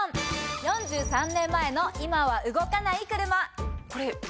４３年前の今は動かない車。